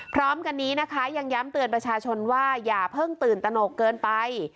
พร้อมกันนี้นะคะยังย้ำเตือนประชาชนว่าอย่าเพิ่งตื่นตนกเกินไป